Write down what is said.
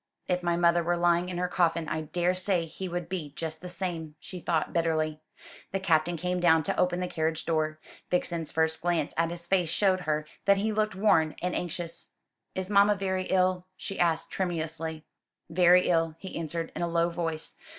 "If my mother were lying in her coffin I daresay he would be just the same," she thought bitterly. The Captain came down to open the carriage door. Vixen's first glance at his face showed her that he looked worn and anxious. "Is mamma very ill?" she asked tremulously. "Very ill," he answered, in a low voice.